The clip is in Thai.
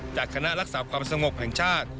จากคณะรักษาความสงบแห่งชาติ